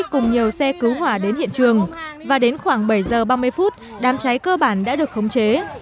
cùng nhiều xe cứu hỏa đến hiện trường và đến khoảng bảy giờ ba mươi phút đám cháy cơ bản đã được khống chế